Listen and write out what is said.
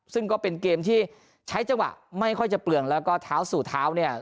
ซึ่งก็เป็นเกมที่ใช้จังหวะไม่ค่อยจะเปลืองแล้วก็เท้าสู่เท้าเนี่ย